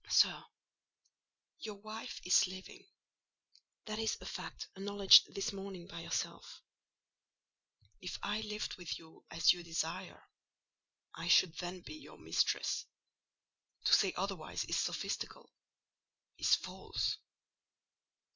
"Sir, your wife is living: that is a fact acknowledged this morning by yourself. If I lived with you as you desire, I should then be your mistress: to say otherwise is sophistical—is false."